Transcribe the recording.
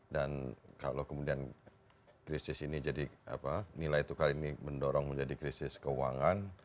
dan kalau kemudian nilai itu kali ini mendorong menjadi krisis keuangan